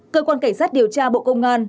cơ quan cảnh sát điều tra bộ công an